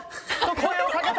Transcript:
声をかけた！